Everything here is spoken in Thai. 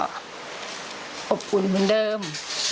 มันก็อบอุ่นเหมือนเดิม